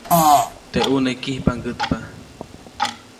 Teʼ ʼuneʼ kijpʼaŋgätpa.